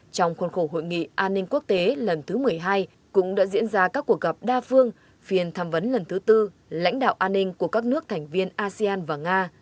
trong khuôn khổ hội nghị an ninh quốc tế lần thứ một mươi hai cũng đã diễn ra các cuộc gặp đa phương phiền tham vấn lần thứ tư lãnh đạo an ninh của các nước thành viên asean và nga